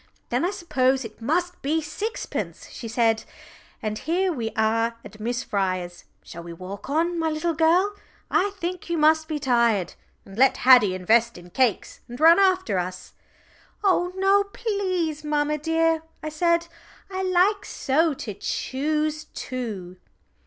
"Then I suppose it must be sixpence," she said, "and here we are at Miss Fryer's. Shall we walk on, my little girl, I think you must be tired, and let Haddie invest in cakes and run after us?" "Oh no, please mamma, dear," I said, "I like so to choose too."